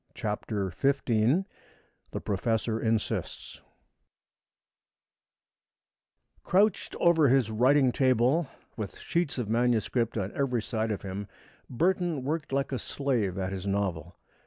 CHAPTER XV THE PROFESSOR INSISTS Crouched over his writing table, with sheets of manuscript on every side of him, Burton worked like a slave at his novel.